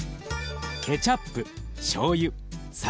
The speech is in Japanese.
ケチャップしょうゆ酒。